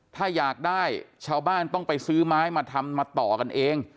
ถ้าอยากได้ชาวบ้านต้องไปซื้อไม้มาทำมาต่อกันเอง